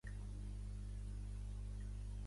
Apareix el seu nom tanmateix en medalles.